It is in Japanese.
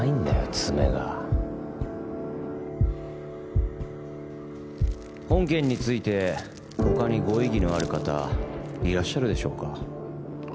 詰めが本件について他にご異議のある方いらっしゃるでしょうか？